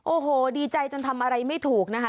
โอ้โหดีใจจนทำอะไรไม่ถูกนะคะ